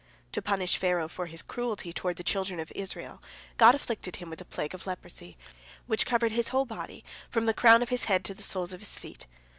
To punish Pharaoh for his cruelty toward the children of Israel, God afflicted him with a plague of leprosy, which covered his whole body, from the crown of his bead to the soles of his feet.